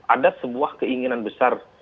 ada sebuah keinginan besar